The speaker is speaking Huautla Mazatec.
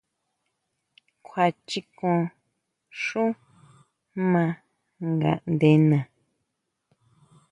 Kjua chikon xú maa ngaʼndena.